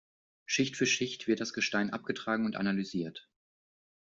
Schicht für Schicht wird das Gestein abgetragen und analysiert.